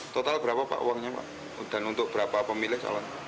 total berapa pak uangnya pak dan untuk berapa pemilih calon